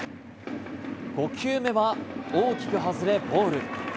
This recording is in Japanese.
５球目は大きく外れボール。